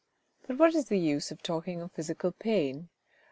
But what is the use of talking of physical pain